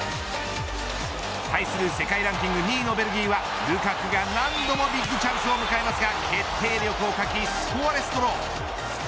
対する世界ランキング２位のベルギーはルカクが何度もビッグチャンスを迎えますが決定力を欠きスコアレスドロー。